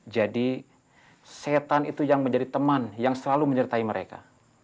jadi syaitan itu yang menjadi teman yang selalu menyertai mereka